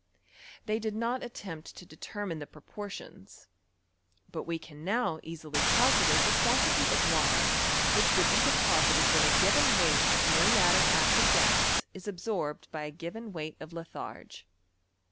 They did not attempt to determine the proportions; but we can now easily calculate tlw quantity of water which would be deposited when a ^ven weight of muriatic acid gas is absorbed by a given wei^t of lithai^e.